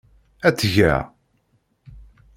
Ad tt-geɣ.